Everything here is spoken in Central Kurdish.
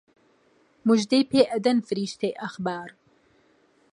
موژدەی پێ ئەدەن فریشتەی ئەخبار